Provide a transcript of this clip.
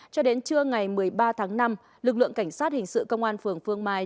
cho đến trưa ngày một mươi ba tháng năm lực lượng cảnh sát hình sự công an phường phương mai